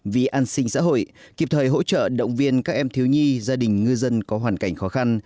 vì an sinh xã hội kịp thời hỗ trợ động viên các em thiếu nhi gia đình ngư dân có hoàn cảnh khó khăn